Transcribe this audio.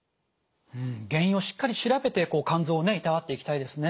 原因をしっかり調べて肝臓をいたわっていきたいですね。